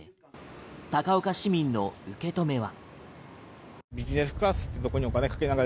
高岡市民の受け止めは。